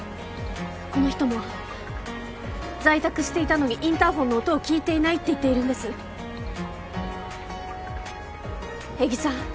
この人も在宅していたのにインターホンの音を聞いていないって言っているんです江木さん